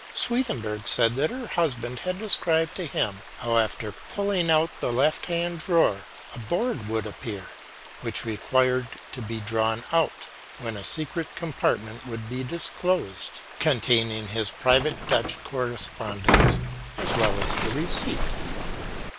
Swedenborg said that her husband had described to him, how after pulling out the lefthand drawer a board would appear, which required to be drawn out, when a secret compartment would be disclosed, containing his private Dutch correspondence, as well as the receipt.